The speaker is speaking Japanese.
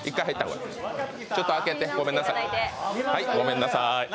はい、ごめんなさーい。